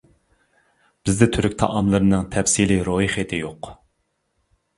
بىزدە تۈرك تائاملىرىنىڭ تەپسىلىي رويخېتى يوق.